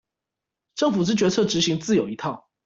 政府之決策執行自有一套